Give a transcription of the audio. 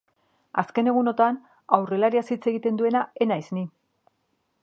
Azken egunotan aurrelariaz hitz egiten duena ez naiz ni.